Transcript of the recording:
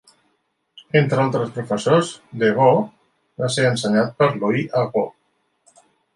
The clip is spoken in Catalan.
Entre altres professors, Deveaux va ser ensenyat per Louise Arbour.